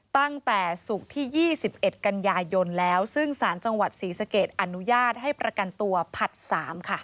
ตั้งแต่ศุกร์ที่๒๑กันยายนแล้วซึ่งสารจังหวัดศรีสะเกดอนุญาตให้ประกันตัวผัด๓ค่ะ